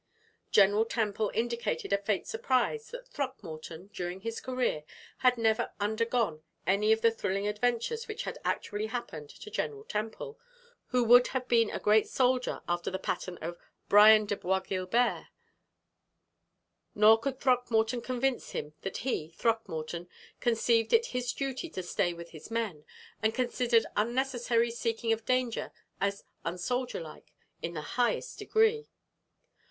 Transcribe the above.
General Temple indicated a faint surprise that Throckmorton, during his career, had never undergone any of the thrilling adventures which had actually happened to General Temple, who would have been a great soldier after the pattern of Brian de Bois Guilbert; nor could Throckmorton convince him that he, Throckmorton, conceived it his duty to stay with his men, and considered unnecessary seeking of danger as unsoldier like in the highest degree.